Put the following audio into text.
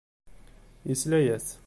Yesla-as.